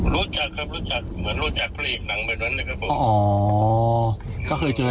รู้จักครับรู้จัก